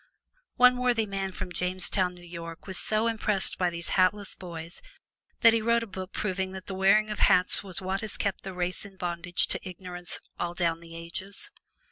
One worthy man from Jamestown, New York, was so impressed by these hatless boys that he wrote a book proving that the wearing of hats was what has kept the race in bondage to ignorance all down the ages.